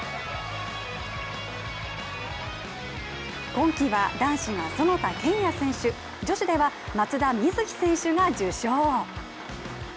今季は男子が其田健也選手、女子では松田瑞生選手が受賞。